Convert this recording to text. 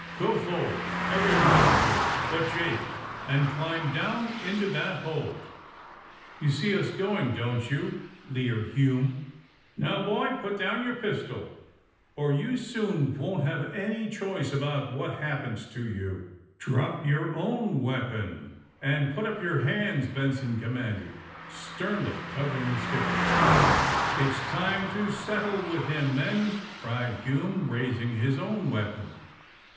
Go forward, everyone of you, but Jake, and climb down into that hold!" You see us going, don't youT' leered Hume„ AND THE SMUGGLEES 235 Now, boy, put down your pistol, or you soon won't have any choice about what happens to you. '' ^^Drop your own weapon, and put up your hands,'' Benson commanded sternly, covering the skipper. It's time to settle with him, men!" cried Hume, raising his own weapon.